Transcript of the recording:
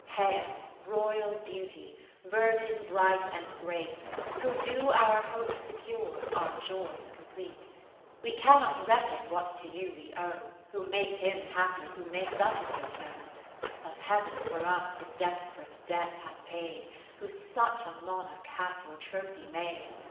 Hail, Royal Beauty, Virgin bright and great. Who do our hopes secure, our joys complete. 20 We cannot reckon what to you we owe. Who make him happy who makes us be so. But Heav'n for us the desp'rate debt hath paid, Who such a Monarch hath your Trophy made.